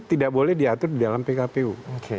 tidak boleh diatur di dalam pkpu